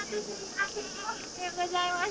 おはようございます。